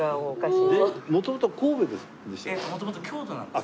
もともと京都なんです。